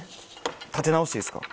立て直していいですか？